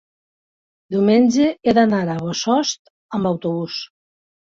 diumenge he d'anar a Bossòst amb autobús.